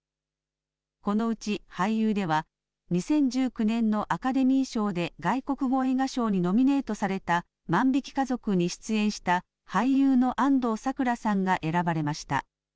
このうち俳優では２０１９年のアカデミー賞で外国語映画賞にノミネートされた万引き家族に出演した俳優の安藤サクラさんが選ばれました。